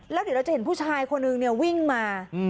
แล้วเดี๋ยวเราจะเห็นผู้ชายคนนึงเนี่ยวิ่งมา